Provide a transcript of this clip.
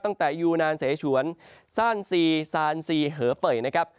ตั้งแต่ยูนานเสฉวนซานซีซานซีเหอเปยนะครับ